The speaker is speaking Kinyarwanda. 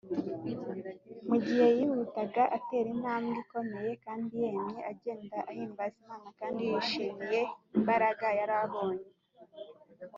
. Mu gihe yihutaga atera intambwe ikomeye kandi yemye, agenda ahimbaza Imana kandi yishimiye imbaraga yari abonye